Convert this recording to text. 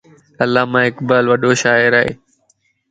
علاما اقبال وڏو شاعر ا